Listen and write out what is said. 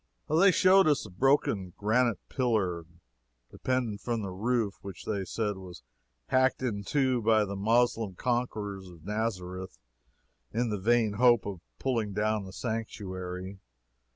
They showed us a broken granite pillar, depending from the roof, which they said was hacked in two by the Moslem conquerors of Nazareth, in the vain hope of pulling down the sanctuary.